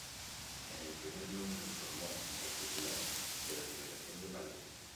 En el primer número informó, en particular, de la liberación de París.